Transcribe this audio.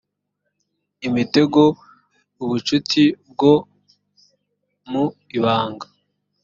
imitego ubucuti bwo mu ibanga